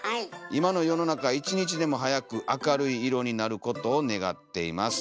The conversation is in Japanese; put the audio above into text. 今の世の中１日でも早く明るい色になる事を願っています。